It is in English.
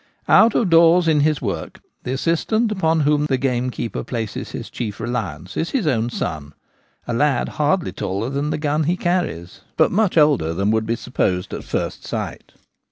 29 Out of doors in his work the assistant upon whom the gamekeeper places his chief reliance is his own son — a lad hardly taller than the gun he carries, but much older than would be supposed at first sight.